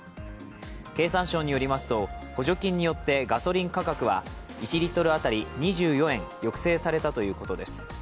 経産省によりますと、補助金によってガソリン価格は１リットル当たり２４円抑制されたということです。